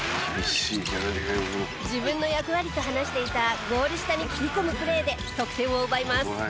「自分の役割」と話していたゴール下に切り込むプレーで得点を奪います。